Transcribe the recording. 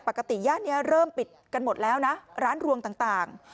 ย่านนี้เริ่มปิดกันหมดแล้วนะร้านรวงต่าง